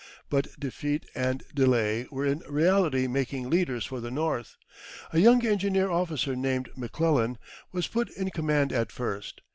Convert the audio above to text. But defeat and delay were in reality making leaders for the North. A young engineer officer named M'Clellan was put in command at first.